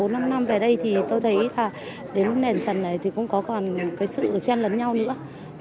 bốn năm năm về đây thì tôi thấy đến lúc nền trần này thì không còn sự chen lấn nhau nữa